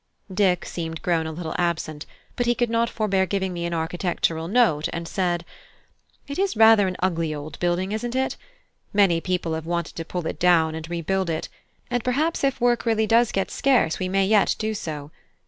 Dick seemed grown a little absent, but he could not forbear giving me an architectural note, and said: "It is rather an ugly old building, isn't it? Many people have wanted to pull it down and rebuild it: and perhaps if work does really get scarce we may yet do so.